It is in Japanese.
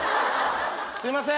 すいません